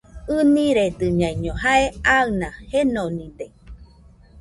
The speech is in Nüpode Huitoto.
ɨniredɨñaiño jae aɨna jenonide.